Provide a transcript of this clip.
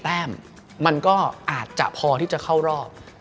แต้มมันก็อาจจะพอที่จะเข้ารอบ